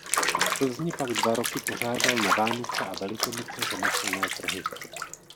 V Plzni pak dva roky pořádal na Vánoce a Velikonoce řemeslné trhy.